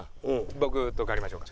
僕と代わりましょうか。